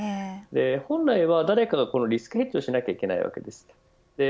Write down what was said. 本来は誰かがこのリスクヘッジをしないといけないわけです。